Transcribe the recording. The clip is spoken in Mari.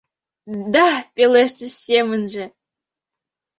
— Да!» — пелештыш семынже.